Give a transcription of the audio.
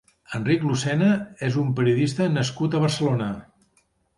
Enric Lucena és un periodista nascut a Barcelona.